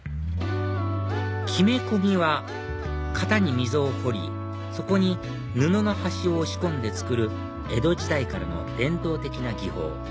木目込みは型に溝を彫りそこに布の端を押し込んで作る江戸時代からの伝統的な技法